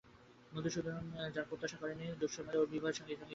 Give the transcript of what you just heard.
মধুসূদন যার প্রত্যাশাই করে নি সেই দুঃসময় ওর বিবাহের সঙ্গে সঙ্গেই এল।